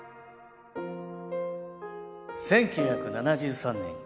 １９７３年